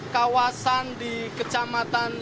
kawasan di kecamatan